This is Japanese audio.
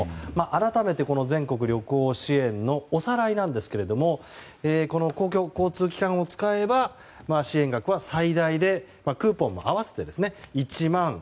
改めて、この全国旅行支援のおさらいなんですが公共交通機関を使えば支援額は最大でクーポンも合わせて１万１０００円。